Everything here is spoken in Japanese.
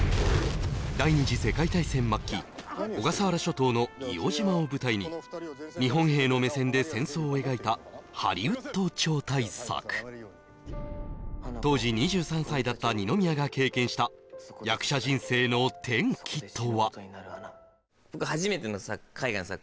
第二次世界大戦末期小笠原諸島の硫黄島を舞台に日本兵の目線で戦争を描いたハリウッド超大作だった二宮が経験した役者人生の転機とは？